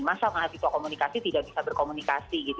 masa mahasiswa komunikasi tidak bisa berkomunikasi gitu